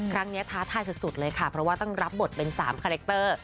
ท้าทายสุดเลยค่ะเพราะว่าต้องรับบทเป็น๓คาแรคเตอร์